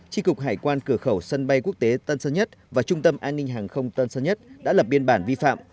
tri cục hải quan cửa khẩu sân bay quốc tế tân sơn nhất và trung tâm an ninh hàng không tân sơn nhất đã lập biên bản vi phạm